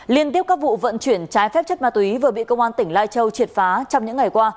liên tiếp các vụ vận chuyển trái phép chất ma túy vừa bị công an tỉnh lai châu triệt phá trong những ngày qua